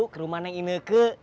pernah nggak nanti